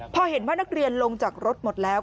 พอเห็นว่านักเรียนลงจากรถหมดแล้ว